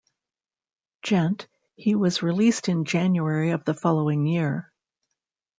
Gent, He was released in January of the following year.